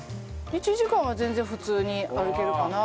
１時間は全然普通に歩けるかな。